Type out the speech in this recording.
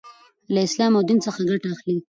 لـه اسـلام او ديـن څـخه ګـټه اخـلي .